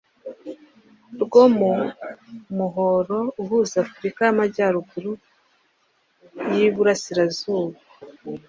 rwo mu muhora uhuza Afurika y’Amajyaruguru y’Iburasirazuba